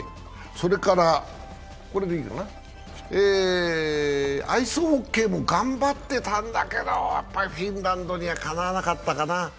それから、アイスホッケーも頑張ってたんだけど、やっぱりフィンランドにはかなわなかったかな。